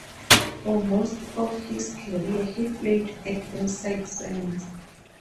For most of his career he played at inside centre.